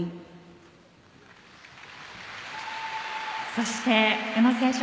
そして宇野選手